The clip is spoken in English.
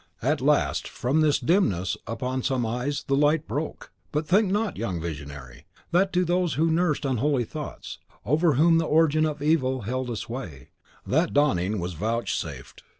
"At last from this dimness upon some eyes the light broke; but think not, young visionary, that to those who nursed unholy thoughts, over whom the Origin of Evil held a sway, that dawning was vouchsafed.